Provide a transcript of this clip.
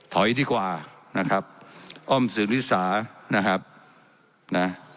ดีกว่านะครับอ้อมสืบนิสานะครับนะ